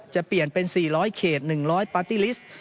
จะเปลี่ยนเป็น๔๐๐เขต๑๐๐ปาร์ตี้ลิสต์